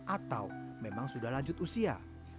atau memang sudah lanjut usia